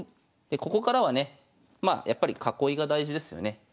でここからはねまあやっぱり囲いが大事ですよね。